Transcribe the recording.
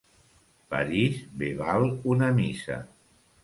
París bé val una missa.